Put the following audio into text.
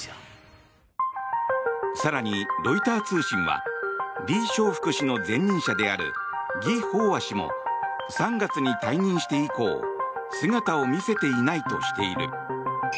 更に、ロイター通信はリ・ショウフク氏の前任者であるギ・ホウワ氏も３月に退任して以降姿を見せていないとしている。